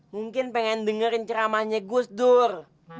mungkin pengen dengerin ceramahnya gus dur